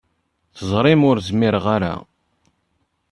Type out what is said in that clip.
Teẓrim ur zmireɣ ara.